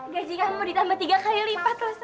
gaji kamu ditambah tiga kali lipat loh